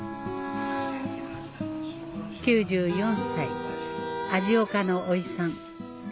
９４歳味岡のおいさん